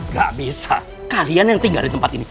gak bisa kalian yang tinggal di tempat ini